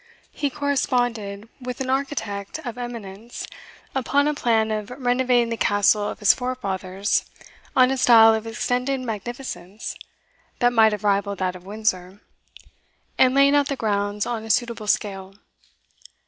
He corresponded with an architect of eminence, upon a plan of renovating the castle of his forefathers on a style of extended magnificence that might have rivalled that of Windsor, and laying out the grounds on a suitable scale.